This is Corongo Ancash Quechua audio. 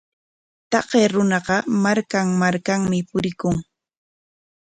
Taqay runaqa markan markanmi purikun.